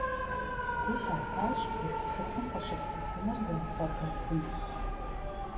Гу лъатащ удз псыфым къыщыпкӀухьыныр зэрысэбэпым.